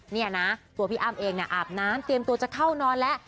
นี่นะตัวพี่อ้ำเองอาบน้ำเตรียมตัวจะเข้านอนแล้ว